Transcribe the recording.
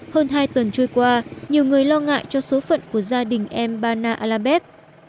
hơn hai tuần trôi qua nhiều người lo ngại cho số phận của gia đình em bana alabeb